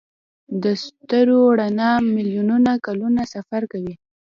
د ستورو رڼا میلیونونه کلونه سفر کوي.